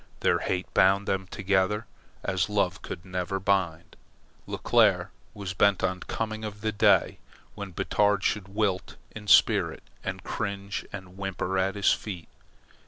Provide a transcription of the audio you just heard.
Their hate bound them together as love could never bind. Leclere was bent on the coming of the day when Batard should wilt in spirit and cringe and whimper at his feet.